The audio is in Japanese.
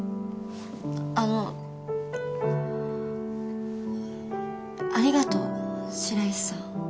あのありがとう白石さん。